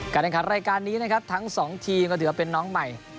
การแรงขันรายการนี้นะครับทั้งสองทีมก็เดี๋ยวเป็นน้องใหม่